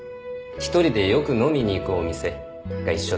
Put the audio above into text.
１人でよく飲みに行くお店が一緒で。